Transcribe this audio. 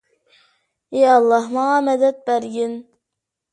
ئى ئاللاھ، ماڭا مەدەت بەرگىن.